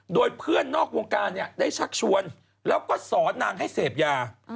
โดยเพื่อนนอกวงการได้ชักชวนแล้วก็สอนนางให้เสพยา